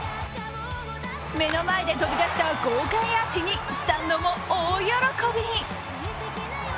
目の前で飛び出した豪快アーチにスタンドも大喜び。